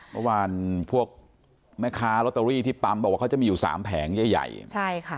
เมื่อวานพวกแม่ค้าลอตเตอรี่ที่ปั๊มบอกว่าเขาจะมีอยู่สามแผงใหญ่ใหญ่ใช่ค่ะ